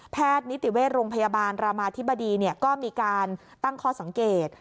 นิติเวชโรงพยาบาลรามาธิบดีก็มีการตั้งข้อสังเกต